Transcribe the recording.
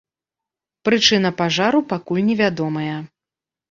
Прычына пажару пакуль невядомая.